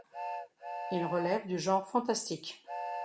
Il relève du genre fantastique.